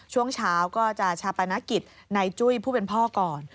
ช่วงเช้าก็จะชาปนกิจในจุ้ยผู้เป็นพ่อก่อน